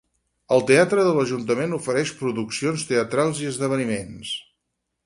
El teatre de l'Ajuntament ofereix produccions teatrals i esdeveniments.